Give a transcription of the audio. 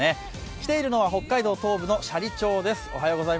来ているのは北海道東部の斜里町です。